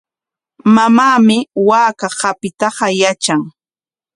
Mamaami waaka qapiytaqa yatran.